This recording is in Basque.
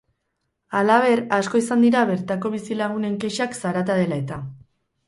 Halaber, asko izan dira bertako bizilagunen kexak, zarata dela-eta.